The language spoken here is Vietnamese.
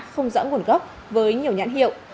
không rõ nguồn gốc với nhiều nhãn hiệu